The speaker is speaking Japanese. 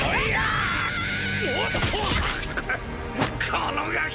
このガキ！